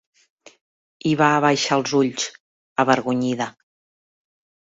...i va abaixar els ulls, avergonyida.